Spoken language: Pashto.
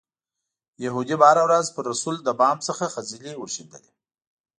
یهودي به هره ورځ پر رسول د بام څخه خځلې ورشیندلې.